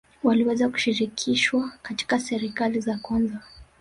Waliweza kushirikishwa katika serikali za kwanza